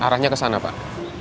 arahnya ke sana pak